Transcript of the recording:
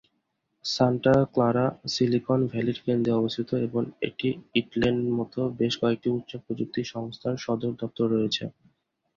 Santa Clara Silicon ভ্যালির কেন্দ্রে অবস্থিত এবং এখানে ইন্টেলের মতো বেশ কয়েকটি উচ্চ-প্রযুক্তি সংস্থার সদর দফতর রয়েছে।